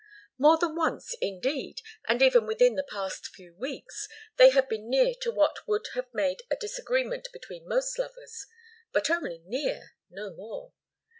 More than once, indeed, and even within the past few weeks, they had been near to what would have made a disagreement between most lovers. But only near no more.